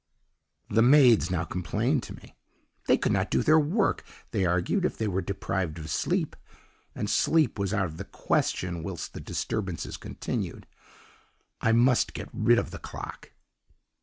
"The maids now complained to me. 'They could not do their work,' they argued, 'if they were deprived of sleep, and sleep was out of the question whilst the disturbances continued. I must get rid of the clock.